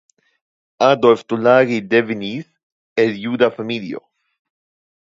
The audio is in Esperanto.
Adolf Tollagi devenis el juda familio.